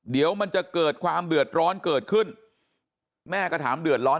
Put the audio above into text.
เดี๋ยวมันจะเกิดความเดือดร้อนเกิดขึ้นแม่ก็ถามเดือดร้อน